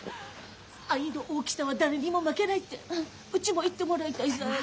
「愛の大きさは誰にも負けない」ってうちも言ってもらいたいさぁ。